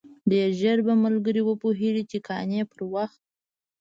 ډېر ژر به ملګري وپوهېږي چې قانع پر وخت.